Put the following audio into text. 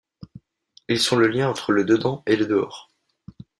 Ils sont le lien entre le dedans et le dehors.